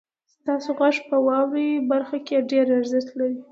ستاسو غږ په واورئ برخه کې ډیر ارزښت لري.